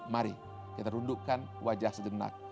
mari kita rundukkan wajah sejenak